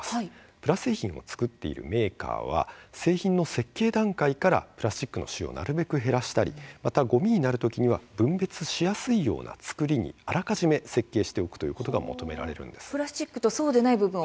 プラ製品を作っているメーカーは製品の設計段階からプラスチックの使用をなるべく減らしたりごみになるときには分別しやすいような作りにあらかじめ設計していくことが求められます。